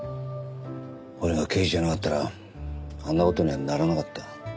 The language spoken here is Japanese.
俺が刑事じゃなかったらあんな事にはならなかった。